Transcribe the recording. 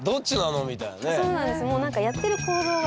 そうなんです。